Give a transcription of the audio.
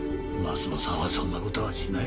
鱒乃さんはそんな事はしない。